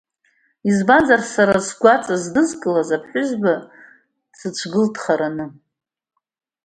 Избанзар, са сгәаҵа зыдкылаз, аԥҳәызба дсыцәгылт дхараны.